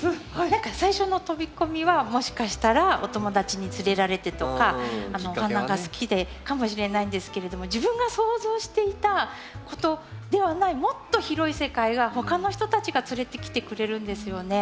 何か最初の飛び込みはもしかしたらお友達に連れられてとかお花が好きでかもしれないんですけれども自分が想像していたことではないもっと広い世界が他の人たちが連れてきてくれるんですよね。